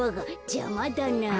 じゃまだなあ。